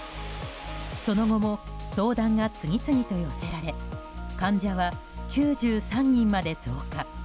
その後も相談が次々と寄せられ患者は９３人まで増加。